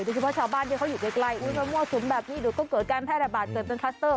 เฉพาะชาวบ้านที่เขาอยู่ใกล้ถ้ามั่วสุมแบบนี้เดี๋ยวก็เกิดการแพร่ระบาดเกิดเป็นคลัสเตอร์